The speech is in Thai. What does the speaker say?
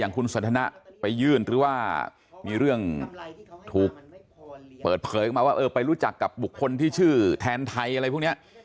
คุณสันทนะไปยื่นหรือว่ามีเรื่องถูกเปิดเผยออกมาว่าเออไปรู้จักกับบุคคลที่ชื่อแทนไทยอะไรพวกนี้